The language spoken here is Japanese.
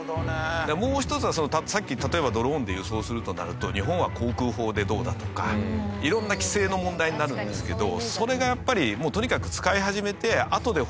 もう一つはさっき例えばドローンで輸送するとなると日本は航空法でどうだとかいろんな規制の問題になるんですけどそれがやっぱり。